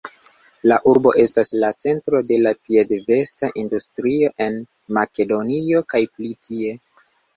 La urbo estas la centro de la piedvesta industrio en Makedonio kaj pli tie.